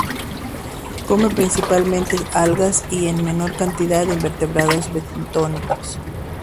Come principalmente algas y, en menor cantidad, invertebrados bentónicos.